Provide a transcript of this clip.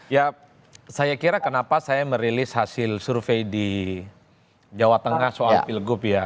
ya saya kira kenapa saya merilis hasil survei di jawa tengah soal pilgub ya